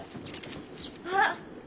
あっ！